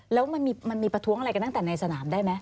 แล้วมันมีประท้วงอะไรกันตั้งแต่ในสนามได้ไหม